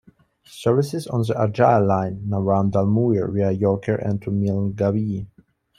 Services on the Argyle Line now run to Dalmuir via Yoker and to Milngavie.